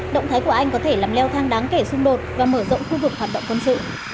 động thái của anh có thể làm leo thang đáng kể xung đột và mở rộng khu vực hoạt động quân sự